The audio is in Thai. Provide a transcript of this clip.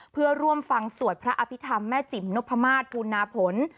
เพื่อร่วมฟังสวดพระอภิษฐรรมแม่จิ๋มนพมาศปูนาผล